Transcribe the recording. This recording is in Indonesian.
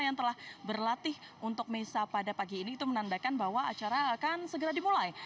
yang telah berlatih untuk mesa pada pagi ini itu menandakan bahwa acara akan segera dimulai